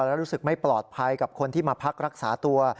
และรู้สึกไม่ปลอดภัยกับคนที่มาพักรักษาตัว